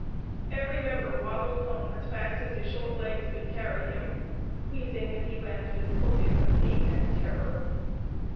Every member waddled home as fast as his short legs could carry him, wheezing as he went with corpulency and terror.